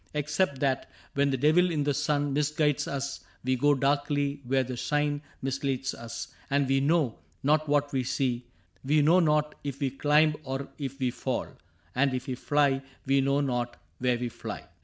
Except that when the devil in the sun Misguides us we go darkly where the shine Misleads us, and we know not what we see : We know not if we climb or if we fall ; And if we fly, we know not where we fly.